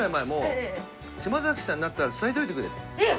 「島崎さんに会ったら伝えといてくれ」えっ？